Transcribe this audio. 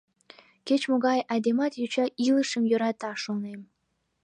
Кеч-могай айдемат йоча илышым йӧрата, шонем.